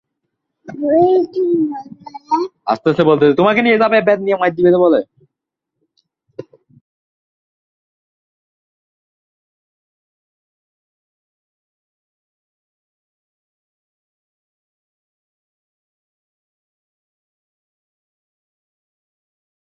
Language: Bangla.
তিনি শেকসপিয়রের পাঠ নেন।